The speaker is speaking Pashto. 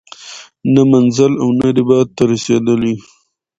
نه منزل او نه رباط ته رسیدلی